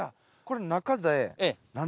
これ中で。